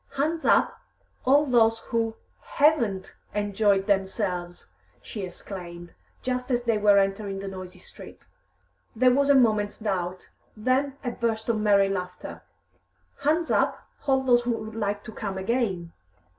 "Hands up, all those who haven't enjoyed themselves!" she exclaimed, just as they were entering the noisy streets. There was a moment's doubt, then a burst of merry laughter. "Hands up, all those who would like to come again!"